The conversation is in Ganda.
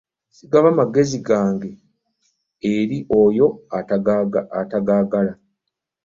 Sigaba magezi gange eri oyo atagayagala.